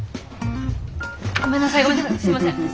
ごめんなさいごめんないすいません。